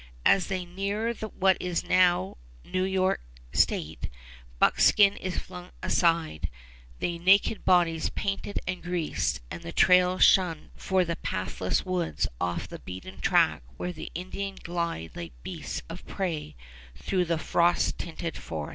As they near what is now New York state, buckskin is flung aside, the naked bodies painted and greased, and the trail shunned for the pathless woods off the beaten track where the Indians glide like beasts of prey through the frost tinted forest.